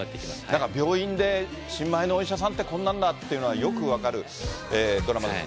なんか病院で新米のお医者さんってこんなんだっていうのがよく分かるドラマです。